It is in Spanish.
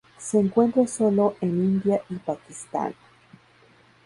Se encuentra sólo en India y Pakistán.